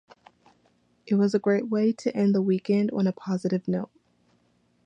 It was a great way to end the weekend on a positive note.